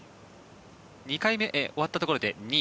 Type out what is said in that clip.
２回目終わったところで２位。